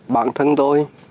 bản thân tôi